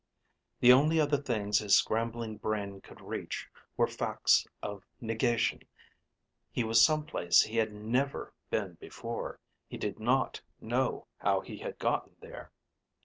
The only other things his scrambling brain could reach were facts of negation. He was some place he had never been before. He did not know how he had gotten there.